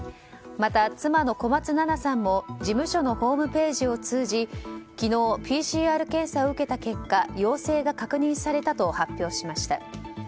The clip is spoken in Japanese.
また、妻の小松菜奈さんも事務所のホームページを通じ昨日、ＰＣＲ検査を受けた結果陽性が確認されたと発表しました。